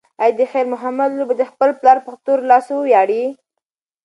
ایا د خیر محمد لور به د خپل پلار په تورو لاسو وویاړي؟